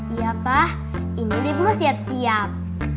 iya pa ini dia pun siap siap